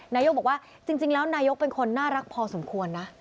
นายกบอกว่าจริงแล้วนายกเป็นคนน่ารักพอสมควรนะ